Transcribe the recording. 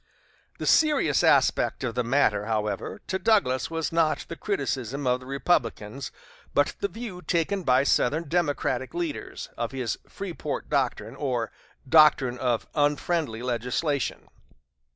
The serious aspect of the matter, however, to Douglas was not the criticism of the Republicans, but the view taken by Southern Democratic leaders, of his "Freeport doctrine," or doctrine of "unfriendly legislation."